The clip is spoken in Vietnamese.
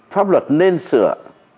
pháp luật nên sửa